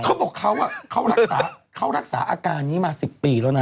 เขาบอกเขารักษาเขารักษาอาการนี้มา๑๐ปีแล้วนะ